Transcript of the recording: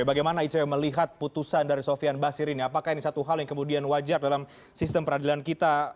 bagaimana icw melihat putusan dari sofian basir ini apakah ini satu hal yang kemudian wajar dalam sistem peradilan kita